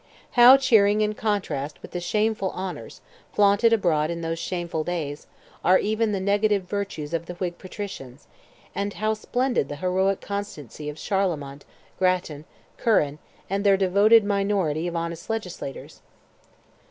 How cheering in contrast with the shameful honours, flaunted abroad in those shameful days, are even the negative virtues of the Whig patricians, and how splendid the heroic constancy of Charlemont, Grattan, Curran, and their devoted minority of honest legislators!